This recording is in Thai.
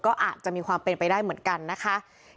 ก็อาจจะมีความเป็นไปได้เหมือนกันนะคะ